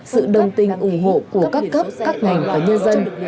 sự đồng tình ủng hộ của các cấp các ngành và nhân dân